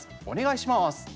お願いします。